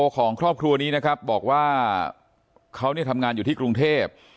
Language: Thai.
ครอบครัวบอกว่าเขานี่ทำงานอยู่ที่กรุงเทพฯ